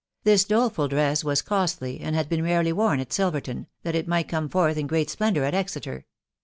Tins doleful. drew was costly, and had been rarely worn at Silverman, that it might come forth in £reat splendour at Exeter.